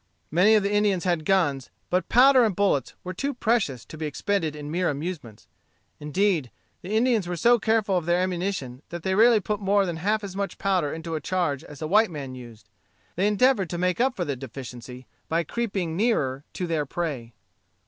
Many of the Indians had guns, but powder and bullets were too precious to be expended in mere amusements. Indeed, the Indians were so careful of their ammunition, that they rarely put more than half as much powder into a charge as a white man used. They endeavored to make up for the deficiency by creeping nearer to their prey.